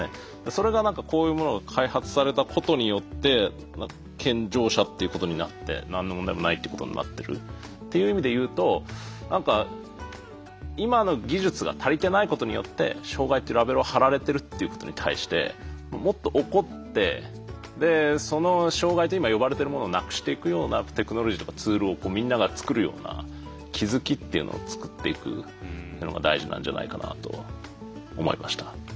それがこういうものが開発されたことによって健常者っていうことになって何の問題もないってことになってるっていう意味で言うと何か今の技術が足りてないことによって障害ってラベルを貼られてるっていうことに対してもっと怒ってでその障害と今呼ばれてるものをなくしていくようなテクノロジーとかツールをみんなが作るような気づきっていうのを作っていくっていうのが大事なんじゃないかなと思いました。